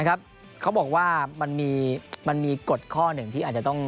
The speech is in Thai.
เขาบอกว่ามันมีกฎข้อหนึ่งที่อาจจะต้อง